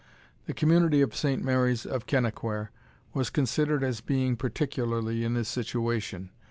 The community of Saint Mary's of Kennaquhair was considered as being particularly in this situation.